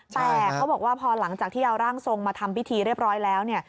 แต่เขาบอกว่าพอหลังจากที่เอาร่างทรงมาทำพิธีเรียบร้อยแล้วเนี่ย